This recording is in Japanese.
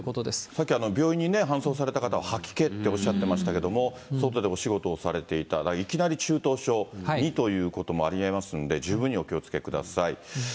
さっき病院に搬送された方は吐き気っておっしゃってましたけれども、外でお仕事をされていたら、いきなり中等症にということもありますので、十分にお気をつけください。